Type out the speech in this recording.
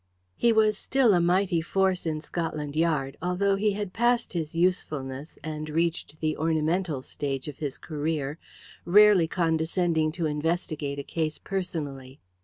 He was still a mighty force in Scotland Yard, although he had passed his usefulness and reached the ornamental stage of his career, rarely condescending to investigate a case personally.